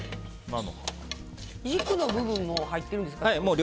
茎の部分も入ってるんですか？